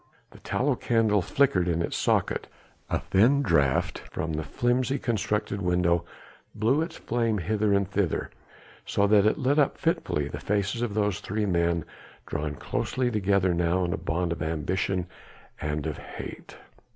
The tallow candle flickered in its socket, a thin draught from the flimsily constructed window blew its flame hither and thither, so that it lit up fitfully the faces of those three men drawn closely together now in a bond of ambition and of hate.